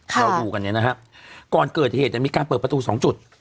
เราดูกันนี้นะฮะก่อนเกิดที่เหตุจะมีการเปิดประตูสองจุด